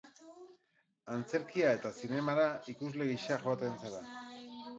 Antzerkira eta zinemara ikusle gisa joaten zara?